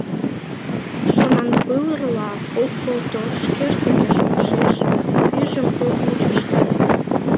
Шонанпыл ырла, ок колто, шкеж деке шупшеш, пӱйжым ок мучыштаре.